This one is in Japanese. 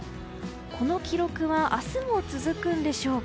この記録は明日も続くんでしょうか。